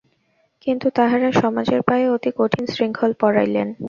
কিন্তু তাঁহারা সমাজের পায়ে অতি কঠিন শৃঙ্খল পরাইলেন।